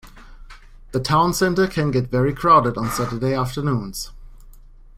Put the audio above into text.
The town centre can get very crowded on Saturday afternoons